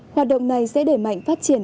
hoạt động này sẽ để mạnh phát triển